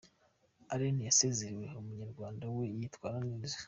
Allan yasezerewe, umunyarwanda we yitwara neza.